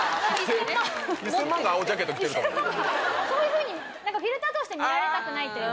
そういうふうにフィルターとして見られたくないというか。